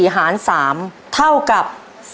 ๑๔๙๔หาร๓เท่ากับ๔๙๘